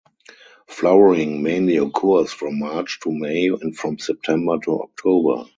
Flowering mainly occurs from March to May and from September to October.